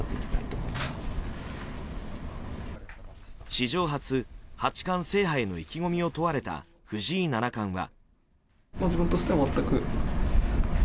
史上初八冠制覇への意気込みを問われた藤井七冠は。